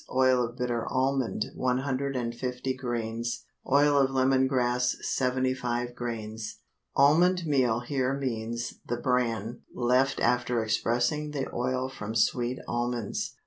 Oil of bitter almond 150 grains. Oil of lemon grass 75 grains. Almond meal here means the bran left after expressing the oil from sweet almonds.